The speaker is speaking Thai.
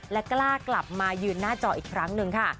และกล้ากลับมายืนหน้าจออีกครั้งหนึ่งค่ะ